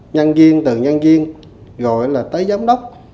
nhân viên từ nhân viên gọi là tới giám đốc